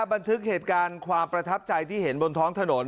บันทึกเหตุการณ์ความประทับใจที่เห็นบนท้องถนน